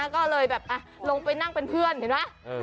ก็เลยแบบลงไปนั่งเป็นเพื่อนเห็นไหม